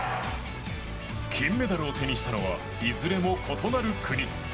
金メダルを手にしたのはいずれも異なる国。